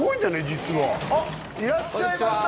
実はあっいらっしゃいました